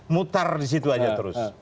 mutar disitu aja terus